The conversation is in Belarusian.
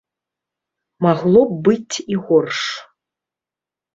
Магло б быць і горш.